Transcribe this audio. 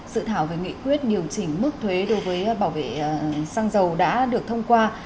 sự thảo về nghị quyết điều chỉnh mức thuế đối với bảo vệ xăng dầu đã được thông qua